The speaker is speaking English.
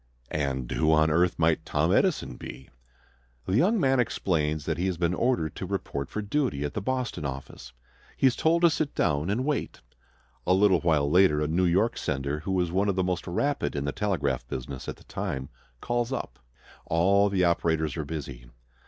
"And who on earth might Tom Edison be?" The young man explains that he has been ordered to report for duty at the Boston office. He is told to sit down and wait. A little while later a New York sender, who is one of the most rapid in the telegraph business at the time, calls up. All the operators are busy.